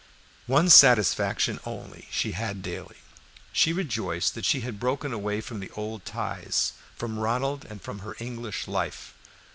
One satisfaction only she had daily. She rejoiced that she had broken away from the old ties, from Ronald and from her English life.